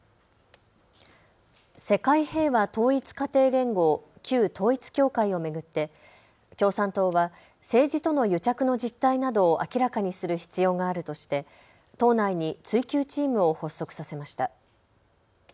世界平和統一家庭連合、旧統一教会を巡って共産党は政治との癒着の実態などを明らかにする必要があるとして党内に追及チームを発足させました。